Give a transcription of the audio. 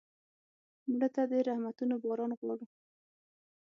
مړه ته د رحمتونو باران غواړو